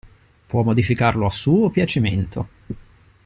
Può modificarlo a suo piacimento.